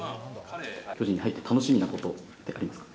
巨人に入って楽しみなことってありますか？